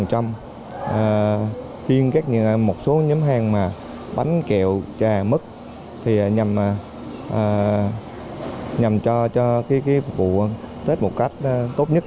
riêng một số nhóm hàng mà bánh kẹo trà mứt thì nhằm cho vụ tết một cách tốt nhất